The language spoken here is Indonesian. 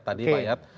tadi pak yayat